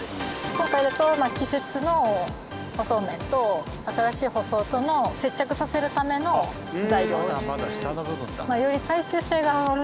今回だと既設の舗装面と新しい舗装との接着させるための材料。より耐久性が上がる。